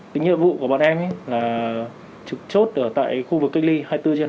những nhiệm vụ của bọn em là trực chốt ở tại khu vực kinh ly hai mươi bốn trên hai mươi bốn